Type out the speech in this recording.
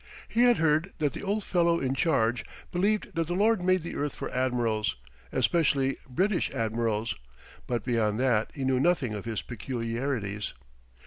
He had heard that the old fellow in charge believed that the Lord made the earth for admirals, especially British admirals, but beyond that he knew nothing of his peculiarities.